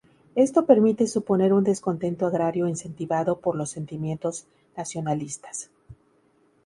Esto permite suponer un descontento agrario incentivado por los sentimientos nacionalistas.